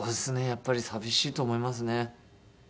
やっぱり寂しいと思いますね。